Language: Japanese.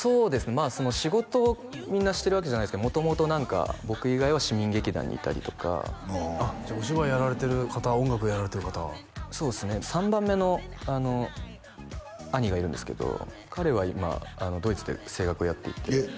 まあ仕事をみんなしてるわけじゃないですか元々何か僕以外は市民劇団にいたりとかあっじゃあお芝居やられてる方音楽やられてる方そうですね３番目の兄がいるんですけど彼は今ドイツで声楽をやっていてえっ